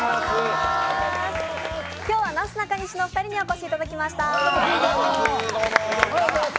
今日はなすなかにしのお二人にお越しいただきました。